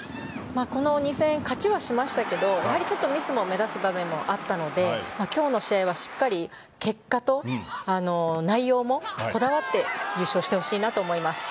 この２戦、勝ちはしましたけどミスも目立つ場面もあったので今日の試合はしっかり結果と内容もこだわって優勝してほしいと思います。